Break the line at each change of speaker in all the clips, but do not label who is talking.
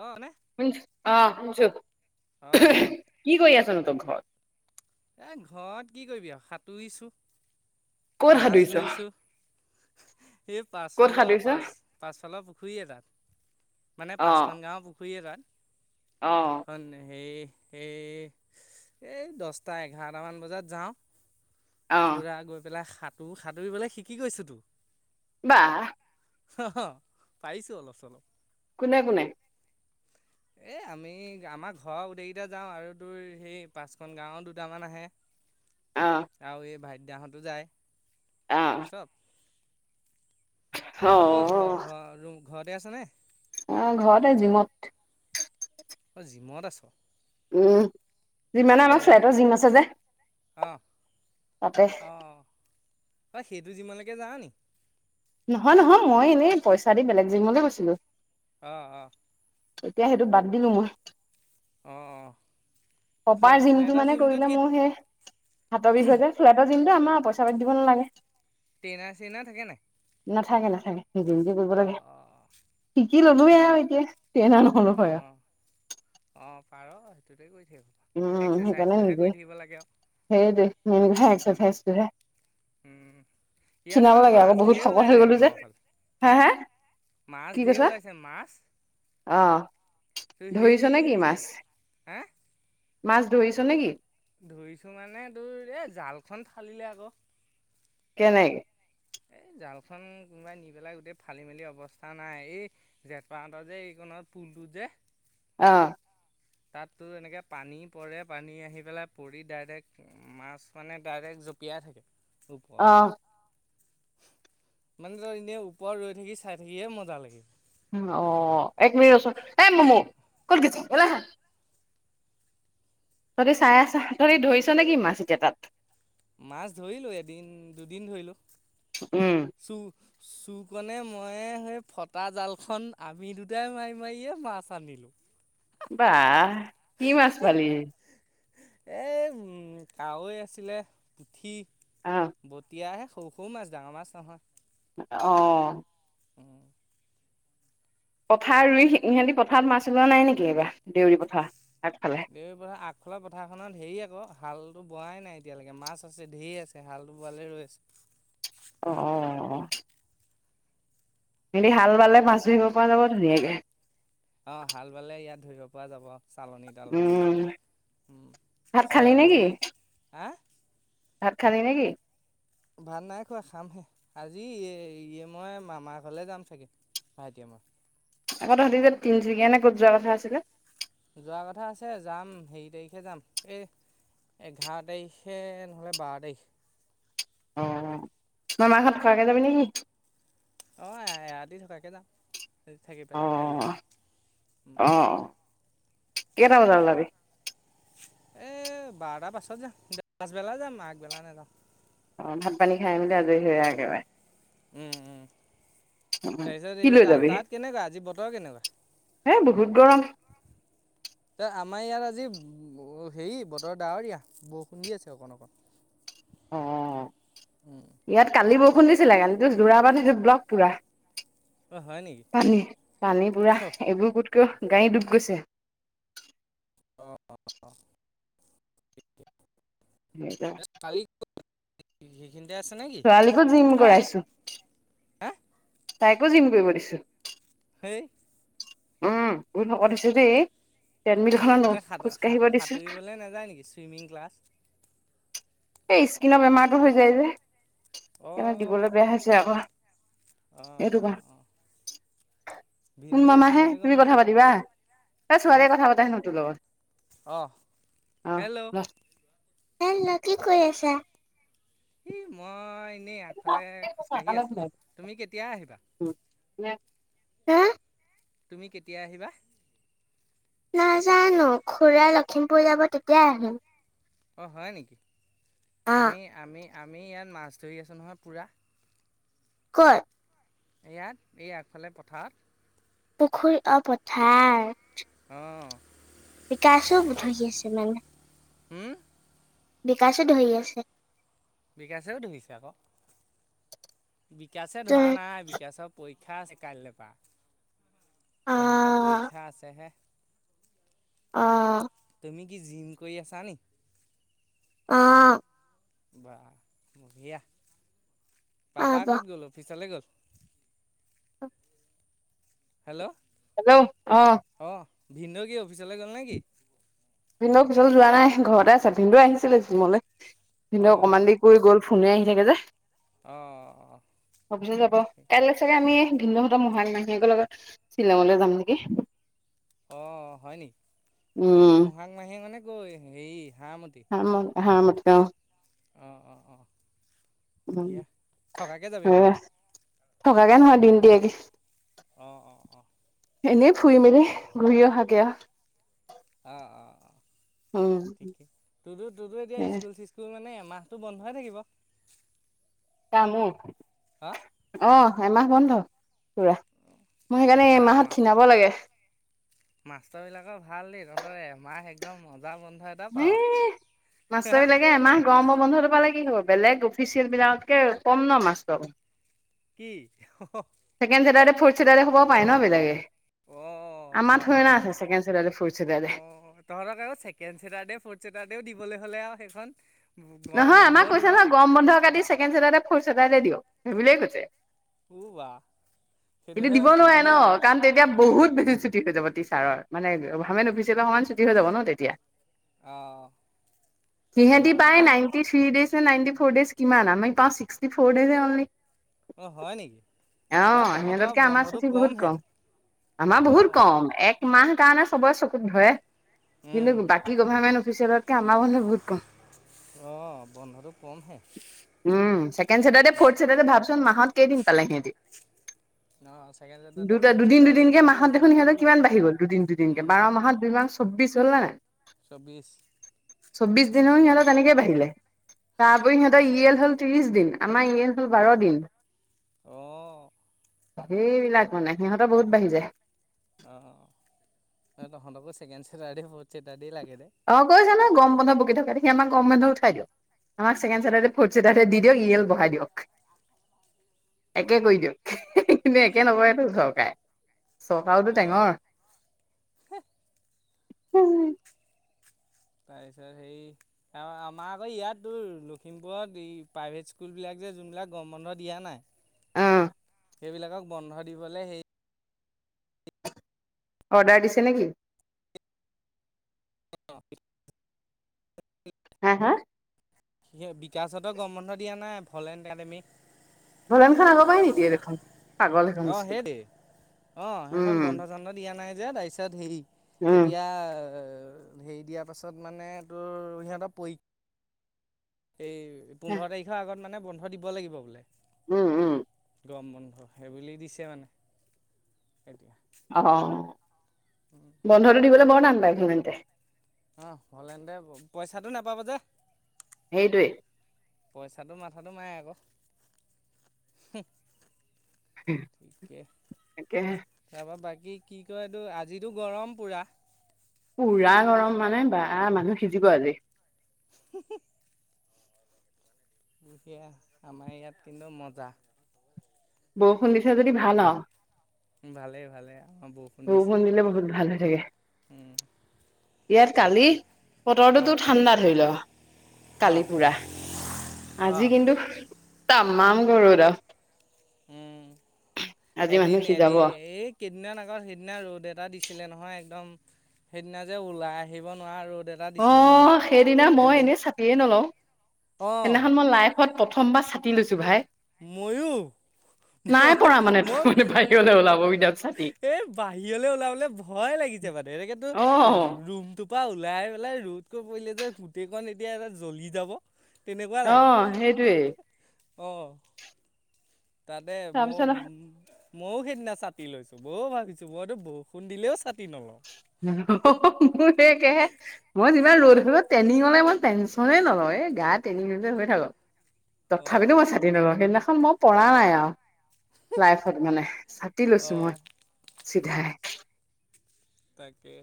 অ এনে।
[unintelligible]
অ, অ।
কি কৰি আছ নো তই ঘৰত?
এ ঘৰত কি কৰিবি আৰু সাঁতুৰিছো,
ক'ত
মাছ
সাঁতুৰিছ
ধৰিছোঁ। এই
ক'ত
পাছফলৰ
সাঁতুৰিছ
পাছ পাছফালৰ পুখুৰীয়ে এটা। মানে পাঁচখন গাঁৱৰ পুখুৰী এটা-
অঁ'
হয়ন, সেই সেই এই দহ- টা এঘাৰটামান বজাত যাওঁ,
অ
পূৰা গৈ পেলাই সাত- তোৰ সাতুৰিবলে শিকি গৈছো তো,
বা।
হ, হ, পাইছো অলপ চলপ,
কোনে কোনে?
এই আমি আমাৰ ঘৰৰ গোটেইকেইটা যাওঁ আৰু তোৰ সেই পাঁচখন গাঁওৰ দু- দুটামান আহে।
অ'।
আৰু এই ভাইতিদা হঁতো যায়,
অ
চব।
অ
তই ক ঘৰ ঘৰৰু- ঘৰতে আছ নে?
অ' ঘৰতে জিমত।
অ', জিমত আছ।
উম, যিমানে আমাৰ ফ্লেটৰ জিম আছে যে,
অঁ'।
তাতে।
অ'। তই সেইটো জিমলৈকে যাওঁ নি?
নহয়' নহয় মই এনেই পইচা দি বেলেগ জিমলে গৈছিলো।
অঁ' অঁ'।
এতিয়া সেইটো বাদ দিলো মই,
অঁ' অঁ'।
কপাৰ
ফ্লেট
জিমটো
ফ্লেটৰ
মানে
জিমটোত
কৰিলে
কি
মোৰ সেই হাতৰ বিষ হয় যে, ফ্লেটৰ জিমটো আমাৰ পইচা পাতি দিব নালাগে।
টেন আৰ চে আৰ থাকে নাই?
নাথাকে নাথাকে নিজে নিজে কৰিব লাগে,
অঁ অঁ
শিকি ললোয়ে আৰু এতিয়া। নহলো হয় আৰু
অঁ' অঁ' পাৰ সেইটোতে কৰি থাকিব।
উম সেইকাৰণে
এক্সাৰচাইজটোহে
নিদিয়ে
কৰি থাকিব লাগে আৰু উম
হেইদে।
উম ইয়াত এইবাৰ
লাগে আকৌ
মাছ
বহুত
ধেৰ
শকত হৈ
ওলাইছে
গ'লো যে
ঘৰৰ ফালে, হা? মাছ ধেৰ ওলাইছে মাছ।
অঁ।
তোৰ সেই হাঁ।
মাছ ধৰিছ নেকি?
ধৰিছোঁ মানে তোৰ এই জালখন ফালিলে আকৌ।
কেনে
এই জালখন কোনোবাই নি পেলাই গোটেই ফালি মেলি অৱস্থা নাই এই জেঠপাহঁতৰ যে এইকণত পুলটোত যে,
অঁ'।
তাত তোৰ এনেকৈ পানী পৰে পানী আহি পেলাই পৰি ডাইৰেক্ট মাছ মানে ডাইৰেক্ট জঁপিয়াই থাকে
অ
ওপৰলৈ মানে তই এনেই ওপৰত ৰৈ থাকি চাই থাকিহে মজা লাগে।
উ অ' এক মিনিট ৰচোন এ মূমূ ক'ত গৈছ এফালে আহা। তহঁতি চাই আছ তহঁতি ধৰিছ নেকি মাছ এতিয়া তাত।
মাছ ধৰিলো এদিন দুদিন ধৰিলো।
উম'।
[unintelligible] চুকণে মইে সেই ফটা জালখন আমি দুটাই মাৰি মাৰিয়ে মাছ আনিলোঁ।
বাহ' কি মাছ পালি?
এই কাৱৈ আছিলে পুঠি।
অঁ।
বটিয়াহে সৰু সৰু মাছ ডাঙৰ মাছ নহয়।
অঁ।
উম।
পথাৰ ৰুই সিহঁতি পথাৰত মাছ ওলোৱা নাই নেকি এইবাৰ দেউৰী পথাৰ আগফালে।
এই পথাৰ আগ খলা পথাৰখনৰ ধেৰ আকৌ হালটো বোৱাই নাই এতিয়ালৈকে মাছ আছে ধেৰ আছে। তেহালটো বোৱালেই ৰৈ আছে।
অঁ অঁ অঁ অঁ। হেতি
উম,
হাল বালে মাছ ধহিব পৰা যাব ধুনীয়াকে।
অঁ, হাল বালে ইয়াত ধৰিব পৰা যাব। চালনী তালনি দি
উম ভাত খালি নেকি?
সেই হাঁ।
ভাত খালি নেকি?
ভাত নাই খোৱা খামহে আজি ইয়ে মই মামাৰ ঘৰলৈ যাম চাগে। ভাইটিয়ে মই।
আগ তহঁতি যে তিনিচুকীয়ানে ক'ত যোৱা কথা আছিলে।
যোৱা কথা আছে যাম হে তাৰিখে যাম এই এঘাৰ তাৰিখে নহ'লে বাৰ তাৰিখ।
অঁ মামা ঘত ফৰাকৈ যাবি নেকি?
অঁ এৰাতি থকা কে যাম। থাকি
অ
পেলাই কাইল আহিম উম
অ
উম
কেইটা
তাতে।
বজাত ওলাবি?
এ বাৰটাৰ পাছত যাম। পাচবেলা যাম, আগবেলা নেযাওঁ।
অঁ, ভাত-পানী খাই মেলি আজৰি হৈ আও একেবাৰে।
উম, উম। তাৰ পিছত
কি
এই
লৈ
তাত্
যাবি?
-তাত কেনেকুৱা, আজি বতৰ কেনেকুৱা?
এ বহুত [inaudible]
ত ' আমাৰ ইয়াত আজি ব '--হেৰি বতৰ ডাৱৰীয়া বৰষুণ দি আছে অকণ অকণ।
অঁ ইয়াত কালি বৰষুণ দিছিলে। কালিটো যোৰা পানীটো ব্লক পুৰা।
অ হয় নেকি?
পানী, পানী পুৰা
অ
এবুকুতকু গাড়ী ডুব গৈছে।
অঁ, অঁ।
এজাক
তৰালি ক'ত সেইখিনিতে আছে নেকি?
ছোৱালীকো [unintelligible]
হা
তাইকো জিম কৰিব দিছোঁ।
সেই
উম, বহুত শকত হৈছে যে ই ট্ৰেডমিলখনত খোজকাঢ়িব দিছোঁ।
লে নাযায় নেকি ছুইমিং ক্লাছ?
এই স্কিনৰ বেমাৰটো হৈ যায় যে।
অ
সেইকৰণে দিবলে বেয়া হৈছে আক'
অ অ
সেইটোপা।
অ
কোন
ভিনদেউ
মামাহে
অফিচলৈ গ'ল
তুমি কথা
নেকি?
পাতিবা। এ ছোৱালীয়ে কথা পাতে হেনো তোৰ লগত।
অঁ, হেল্ল!
হেল্লো! কি কৰি আছা?
ই মই এনেই আগফালে খোজকাঢ়ি আছিলোঁ। তুমি কেতিয়া আহিবা?
হেঁ
তুমি কেতিয়া আহিবা?
নাজানোঁ। খুড়া লখিমপুৰ যাব তেতিয়া আহিম।
অঁ হয় নেকি?
অ
আমি-আমি -আমি ইয়াত মাছ ধৰি আছোঁ নহয় পুৰা।
ক'ত।
এয়াত এই আগফালে পথাৰত।
পুখুৰী- অঁ পথাৰ
অঁ
বিকাশো ধৰি আছে মানে?
হোঁম্?
বিকাশো ধৰি আছে?
বিকাশেও ধৰিছে আক'। বিকাশে
অ
ধৰা নাই বিকাশক পৰীক্ষা আছে কাইলে পৰা। সিহঁতত পৰীক্ষা আছেহে।
অঁ
তুমি কি জিম কৰি আছা নি?
অঁ।
বাঃ বঢ়িয়া।
অ
পাপা
ব
ক'ত গ'ল? অফিচলে গ'ল। হেল্ল!
হেল্ল! অঁ।
অঁ, ভিনদেউ কি অফিচলে গ'ল নেকি?
ভিন্দৌ অফিচলে যোৱা নাই ঘৰতে আছে ভিন্দৌ আহিছিলেি জিমলে ভিন্দৌ
অঁ
অকমান দেৰি কৰি গ'ল। ফোনে আহি থাকে যে।
অ অ অ।
ভৱিষ্যত যাব কাইলে চাগে আমি ভিন্দৌহত মহাক মাহীয়েকৰ লগত শ্বিলঙলৈ যাম নেকি
অ হয় নেকি
উম
মহাক মাহীয়েক মানে ক এই হেৰি হাঁমতি।
হাম হাৰ্মতি অ।
অ অ অ
উম
কুহিয়া থকাকে যাবি মানে?
থকাকে নহয় দিনটিয়াগে।
অ অ অ
এনেই ফুৰি মেলি ঘূৰি অহাকে আ
অ অ অ
উম
ঠিকেই তোতো তোতো এতিয়া স্কুল স্কুল স্কুল মানে এমাহটো বন্ধই থাকিব?
কা মোৰ
হা?
অ এমাহ বন্ধ পুৰা মই সেইকাৰণে
মজা
এইমাহত ক্ষিণাব লাগে।
মাষ্টৰ বিলাকৰ ভাল দেই তহঁতৰ এমাহ একদম মজা বন্ধ এ
ই মাষ্টৰ বিলাক- তে এমাহ গৰমৰ বন্ধটো পালে কি হ'ব বেলেগ অফিচিয়েল বিলাকতকে কম ন মাষ্টৰ।
কি অ।
ছেকেণ্ড চেটাৰদে ফ'ৰ্ট চেটাৰদে হ'ব পাৰে ন বেলেগে আমাৰ
হয়
থৰি
হয়
না
হয়
আছে ছেকেণ্ড চেটাৰদে ফ'ৰ্ট চেটাৰদে।
অ' তহঁতক আৰু ছেকেণ্ড চেটাৰডে ফ'ৰ্ড চেটাৰদেও দিবলৈ হ'লে আও সেইখন গৰম
নহয় আমাক
বন্ধও দিব
কৈছে নহয়
চাগে
গৰম বন্ধ কাটি ছেকেণ্ড চেটাৰডে ফৰ্থ চেটাৰডে দিয়ক সেইবুলিয়েই কৈছে।
ও বা
কিন্তু
সেইটোহে
দিব নোৱাৰে
সেইটোহে
ন
লাগেনে
কাৰণ তেতিয়া বহুত বেছি ছুটি হৈ যাব টিচাৰৰ মানে গভমেণ্ট অফিচ পৰা অকমান ছুটি হৈ যাব ন তেতিয়া।
অ
সিহঁতি
হয়।
পাই নাইনটি ত্ৰি দেছ নে নাইনটি ফৰ দেছ কিমান আমি পাওঁ ছিক্সতি দেছহে অনলি?
অ' হয় নেকি অ'
আহ
তহঁতৰ
সিহঁততকে আমাৰ
বন্ধটো
ছুটি বহুত
কমহে
কম। আমাৰ বহুত
অ'
কম এক এমাহ কাৰণে চবৰে চকুত ধৰে
উম
কিন্তু বাকী গভাৰ্মেণ্ট অফিচিয়েলতকে আমাৰ বন্ধ বহুত কম।
অ বন্ধটো কমহে।
উম ছেকেণ্ড ছেটাৰডে ফ'ৰ্থ চেটাৰডে ভাবচোন মাহত কেইদিন পালে সিহঁতি।
ছেকেণ্ড ছেটাৰডে
দুটা
ফ'ৰ্থ
দুদিন দুদিনকে
ছেটাৰডেকেতো
মাহত দেখোন
ফিফটি
সিহঁতৰ
টুকে
কিমান বাঢ়ি গ'ল দুদিন দুদিনকে বাৰ মাহত দুই মাহ চৌব্বিশ হ'ল নে নাই
চৌব্বিশ
চৌব্বিশ দিন হৈ সিহঁতৰ তেনে কে বাঢ়িলে তাৰপৰি সিহঁতৰ ই এল হ'ল ত্ৰিশ দিন আমাৰ ই এল হ'ল বাৰ দিন
অ
সেইবিলাক মানে সিহঁতৰ বহুত বাঢ়ি যায়
অ তহঁতকো ছেকেণ্ড চেটাৰডে ফৰ্থ চেটাৰডেই লাগে নে
অ কৈছে নহয় গৰম বন্ধত বকি থকা দেখি আমাক গৰম বন্ধ উঠাই দিয়ক আমাক ছেকেণ্ড চেটাৰডে ফৰ্থ চেটাৰডে দি দিয়ক ইয়েল বঢ়াই দিয়ক একে কৰি দিয়ক কিন্তু একে নকৰেতো চৰকাৰে চৰকাৰোটো
অঁ
টেঙৰ
তাৰ পিছত সেই আমাৰ আকৌ ইয়াত তোৰ লখিমপুৰত এই প্ৰাইভেট স্কুলবিলাক যে যোনবিলাক গৰম বন্ধ দিয়া নাই।
অঁ
সেইবিলাকক বন্ধ দিবলৈ সেই
অৰ্ডাৰ দিছে নেকি?
অঁ
হাঁ হাঁ
সি বিকাশহতৰ গৰম বন্ধ দিয়া নাই ফলেণ্ড একাডেমীক-
ধৰান খান আগৰ পাই নিদিয়ে দেখোন পাগল এখন
অ
স্কুল
সেই দেই অ সেইখন
উম
বন্ধ চন্ধ দিয়া নাই যে তাৰপিছত হেৰি।
উম
এতিয়া হেৰি দিয়াৰ পাছত মানে তোৰ সিহঁতৰ পৰী- এই পোন্ধৰ তাৰিখৰ আগত মানে বন্ধ দিব লাগিব বোলে।
উম উম-
গৰম বন্ধ সেইবুলি দিছে মানে এতিয়া।
অ
উম
বন্ধটো দিবলৈ বৰ টান পায় সিহঁতে
অ হ'ল এনেতে পইচাটো নাপাব যে।
সেইটোৱে
পইচাটো মাথাটো মাৰে আক টিকে
তাকেহে
তাৰপৰা বাকী কি কয় এইটো আজিটো গৰম পুৰা।
পুৰা গৰম মানে বা মানুহ সিজিব আজি।
হি হি লোকে আমাৰ ইয়াত কিন্তু মজা
বৰষুণ দিছে যদি ভাল আৰু
উ ভালেই ভালে অ বৰষুণ দিছে
বৰষুণ দিলে বহুত ভাল হৈ থাকে।
উম,
ইয়াত কালি
তাকে অঁ
বতৰটোতো ঠাণ্ডা ধৰি লোৱা।
অঁ
কালি পুৰা
অঁ
আজি কিন্তু তামান গৰুত
উম
আজি
এদিন
মানুহ সিজাব
এদিন এক কেইদিন আগত সেইদিনা ৰ'দ এটা দিছিলে নহয় একদম সেইদিনা যে ওলাই আহিব নোৱাৰা ৰ'দ এটা
অ
দিছিলে নহয়
সেইদিনা মই
এদিন
এনেই চাতিয়ে নলওঁ
অঁ
সেইদিনাখন মই লাইট লাইফত প্ৰথমবাৰ চাতি লৈছো ভাই।
ময়ো মই মই
সিহঁতে ওলাব বিদ্যা
এ বাহিৰলৈ ওলাবলে ভয় লাগিছে বানে এনেকেতো
অ
ৰুমটো পৰা ওলাই পেলাই ৰ'দকৈ পৰিলে যে গোটেইকখন এতিয়া এটা জ্বলি যাব। তেনেকুৱা
অ
লাগে
সেইটোৱে
অঁ তাতে মই
তাৰপিছত
ময়ো সেইদিনা চাতি লৈছোঁ বয়ো ভাবিছোঁ মইতো বৰষুণ দিলেও চাতি নলওঁ।
হ হ মোৰ সেহে একেই সে মই যিমান ৰ'দ হলেও ট্ৰেনিঙলে মন টেনিছ হ'লেও নলও এই গা তিনি মিনিটতে হৈ থাকক
অঁ
তথাপিতো মই ছাতি সেইদিনাখন মই পৰা নাই আৰু লাইফত মানে ছতি লৈছোঁ মই।
অঁ
চিধাই
তাকে।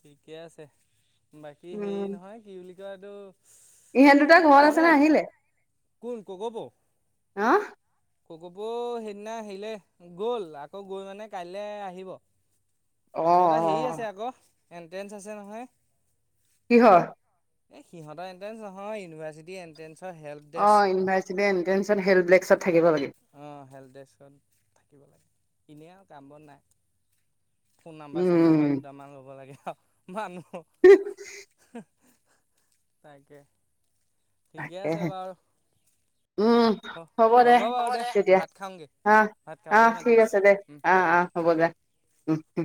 ঠিকে আছে বাকী হেৰি
উম
নহয় কি বুলি কয় এইটো
ইহঁত দুটা
এ
ঘৰত আছে
তহঁতে
নে আহিলে
কোন কৌগপ
আহ।
কৌগপ সেইদিনা আহিলে গল আকৌ গৈ মানে কাইলৈ আহিব।
অ অ
সিহঁতে হেৰি আছে আক এন্ট্ৰেঞ্চ আছে নহয়।
কিহৰ?
এ সিহঁতৰ এণ্ট্ৰেঞ্চ নহয় ইউনিভাৰ্ছিটি এণ্ট্ৰেন্ঞ্চৰ হেল্প
অ
ডেস্ক
ইনভাৰ্চিটি এণ্ট্ৰেঞ্চত হেপ্ললেকছত থাকিব লাগে।
অ হেল্থ ডেস্কত থাকিব লাগে। এনেই আও কাম বন নাই। ফোন নাম্বাৰ চোন নাম্বাৰ
উম
দুটামান ল'ব লাগে আও মানুহ। তাকে ঠিকে আছে
তাকেহে
বাৰ।
উম, হ'ব দে
বাৰু দে
এতিয়া
ভাত খাওঁগৈ
আহ।
ভাত
আহ
খাবলৈ মাতি
ঠিক আছে দে আহ আহ হ'ব দো উ, উ।